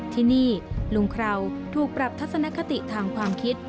ที่นี่ลุงคราวถูกปรับทัศนคติทางความคิด